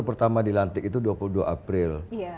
pertama dilantik itu dua puluh dua april